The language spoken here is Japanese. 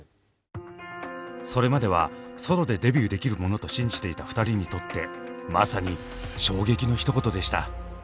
それまではソロでデビューできるものと信じていた２人にとってまさに「衝撃の一言」でした。